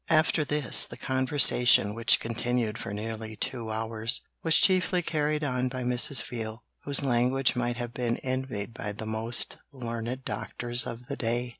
After this, the conversation, which continued for nearly two hours, was chiefly carried on by Mrs. Veal, whose language might have been envied by the most learned doctors of the day.